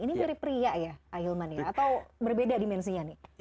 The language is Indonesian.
ini mirip pria ya ahilman ya atau berbeda dimensinya nih